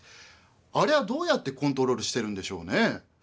ありゃどうやってコントロールしてるんでしょうね？